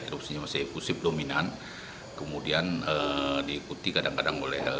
erupsinya masih pusip dominan kemudian diikuti kadang kadang oleh